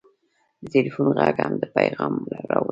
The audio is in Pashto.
د ټېلفون غږ هم پیغام راوړي.